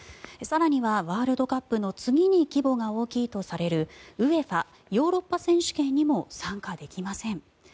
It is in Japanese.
更には、ワールドカップの次に規模が大きいとされるＵＥＦＡヨーロッパ選手権にも参加できません。